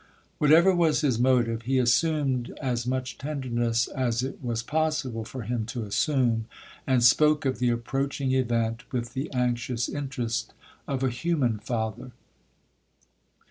Whatever was his motive, he assumed as much tenderness as it was possible for him to assume, and spoke of the approaching event with the anxious interest of a human father.